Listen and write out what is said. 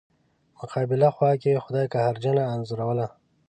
مقابله خوا کې خدای قهرجنه انځوروله.